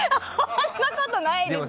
そんなことないです！